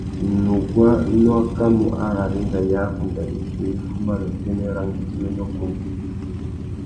Nuguá nu akamú ararringa ya abunda wissú i fuma nà utênê râ ngüidjiménô kunú.